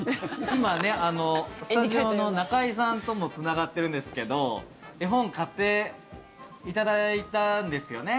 今、スタジオの中居さんともつながってるんですけど絵本買っていただいたんですよね。